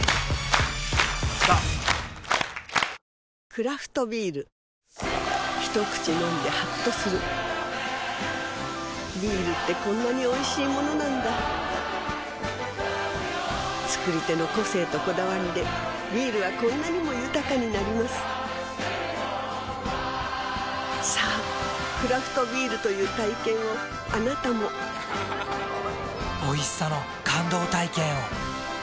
クラフトビール一口飲んでハッとするビールってこんなにおいしいものなんだ造り手の個性とこだわりでビールはこんなにも豊かになりますさぁクラフトビールという体験をあなたもおいしさの感動体験を。